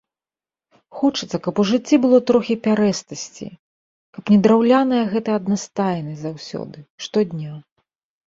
Хочацца, каб у жыцці было трохі пярэстасці, каб не драўляная гэтая аднастайнасць заўсёды, штодня.